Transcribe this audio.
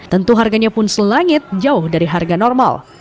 tentu harganya pun selangit jauh dari harga normal